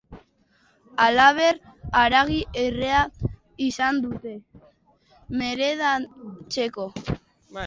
Halaber, haragi errea izan dute merendatzeko.